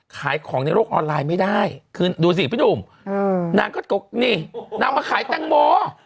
ขายของในโลกออนไลน์ไม่ได้คือดูสิพี่หนุ่มนางก็นี่นางมาขายแตงโม